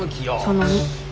その２。